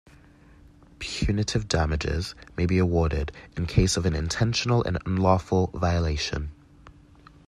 Punitive damages may be awarded in case of an intentional and unlawful violation.